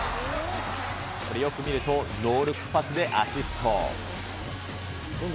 これ、よく見るとノールックパスでアシスト。